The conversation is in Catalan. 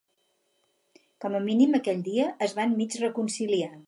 Com a mínim, aquell dia es van mig reconciliar.